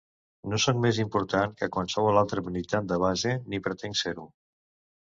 No sóc més important que qualsevol altre militant de base ni pretenc ser-ho.